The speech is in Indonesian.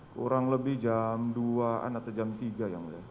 kurang lebih jam dua an atau jam tiga yang mulia